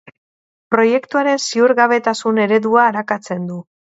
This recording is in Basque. Proiektuaren ziurgabetasun eredua arakatzen du.